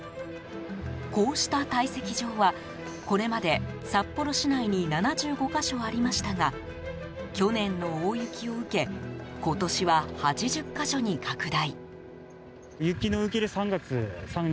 こうした堆積場はこれまで札幌市内に７５か所ありましたが去年の大雪を受け今年は８０か所に拡大。